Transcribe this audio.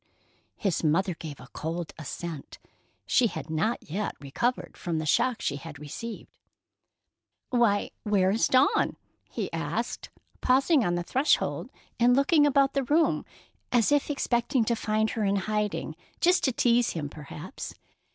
His mother gave a cold assent. She had not yet recovered from the shock she had received. "Why, where is Dawn?" he asked, pausing on the threshold and looking about the room, as if expecting to find her in hiding, just to tease him, perhaps.